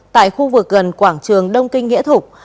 tại khu vực gần quảng trường đông kinh nghĩa thục